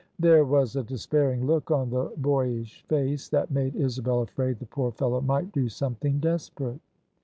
There was a despairing look on the boy ish face that made Isabel afraid the poor fellow might do something desperate.